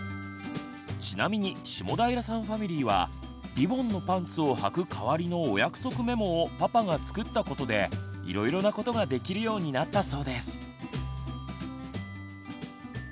ちなみに下平さんファミリーはリボンのパンツをはく代わりのお約束メモをパパが作ったことでいろいろなことができるようになったそうです！